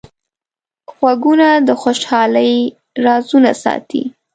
غوږونه د خوشحالۍ رازونه ساتي